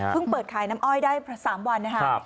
เพิ่งเปิดขายน้ำอ้อยได้๓วันนะฮะ